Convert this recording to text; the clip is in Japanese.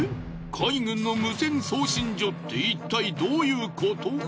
海軍の無線送信所っていったいどういうこと？